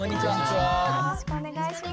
よろしくお願いします。